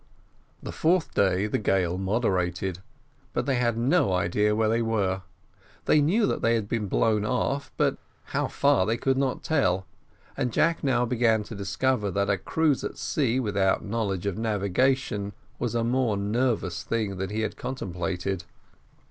The fourth day the gale moderated, but they had no idea where they were: they knew that they had been blown off, but how far they could not tell; and Jack now began to discover that a cruise at sea without a knowledge of navigation was a more nervous thing than he had contemplated.